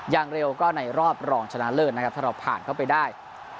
อย่างเร็วก็ในรอบรองชนะเลิศนะครับถ้าเราผ่านเข้าไปได้